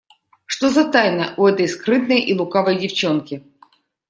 Что за тайна у этой скрытной и лукавой девчонки?